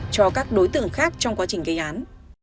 cho các đối tượng khác trong quá trình gây án